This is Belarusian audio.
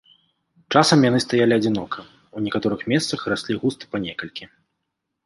Часам яны стаялі адзінока, у некаторых месцах раслі густа па некалькі.